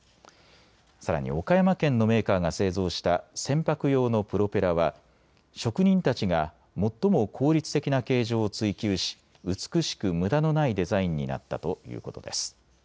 さらに岡山県のメーカーが製造した船舶用のプロペラは職人たちが最も効率的な形状を追求し美しくむだのないデザインになったということです。